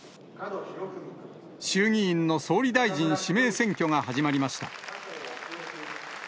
衆議院の総理大臣指名選挙が始まりました。